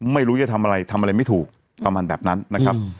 ไม่รู้จะทำอะไรทำอะไรไม่ถูกประมาณแบบนั้นนะครับ